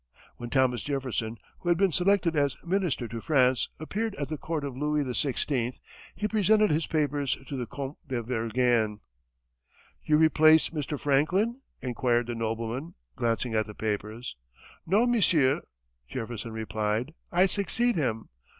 When Thomas Jefferson, who had been selected as minister to France, appeared at the court of Louis XVI, he presented his papers to the Comte de Vergennes. "You replace Mr. Franklin?" inquired the nobleman, glancing at the papers. "No, monsieur," Jefferson replied, "I succeed him.